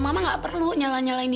kita butuh uang ben